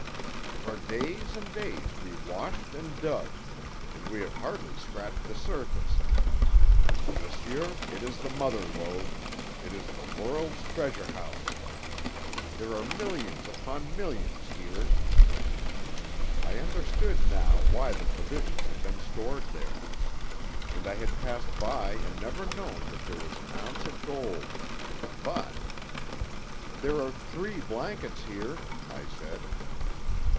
For days and days we washed and dug, and we have hardly scratched the surface. Monsieur, it is the Mother Lode, it is the world's treasure house! There are millions upon millions here!" I understood now why the provisions had been stored there. And I had passed by and never known that there was an ounce of gold! But "There are three blankets here," I said.